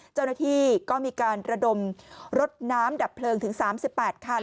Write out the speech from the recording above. เจ้าหน้าที่ก็มีการระดมรถน้ำดับเพลิงถึง๓๘คัน